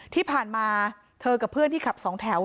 ที่ผ่านมาเธอกับเพื่อนที่ขับสองแถว